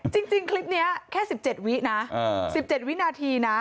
จริงคลิปนี้แค่๑๗วินะ๑๗วินาทีนะ